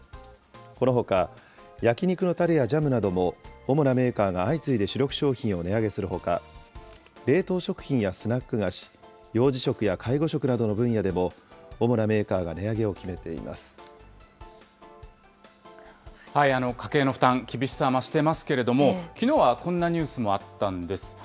このほか、焼き肉のたれやジャムなども、主なメーカーが相次いで主力商品を値上げするほか、冷凍食品やスナック菓子、幼児食や介護食などの分野でも、主なメーカーが値上げを決めてい家計の負担、厳しさ増してますけれども、きのうはこんなニュースもあったんです。